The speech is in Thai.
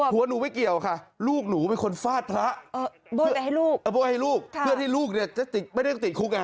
หัวหนูไม่เกี่ยวค่ะลูกหนูเป็นคนฟาดพระเบาะให้ลูกเพื่อที่ลูกไม่ได้ติดคุกไง